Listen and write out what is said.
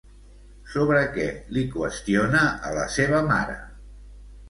Sobre què li qüestiona a la seva mare?